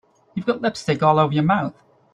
You've got lipstick all over your mouth.